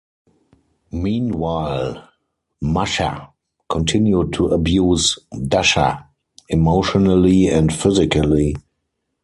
Meanwhile, Masha continued to abuse Dasha emotionally and physically.